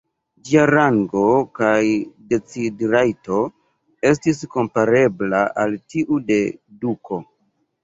Ĝia rango kaj decid-rajto estis komparebla al tiu de duko.